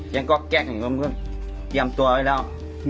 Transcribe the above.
ยังก็แก๊กอยู่กับเพื่อนเตรียมตัวไว้แล้ว